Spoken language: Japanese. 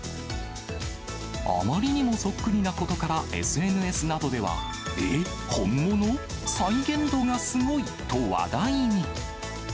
あまりにもそっくりなことから、ＳＮＳなどでは、えっ本物？再現度がすごいと話題に。